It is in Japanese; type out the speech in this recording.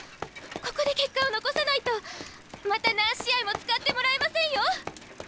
ここで結果を残さないとまた何試合も使ってもらえませんよ？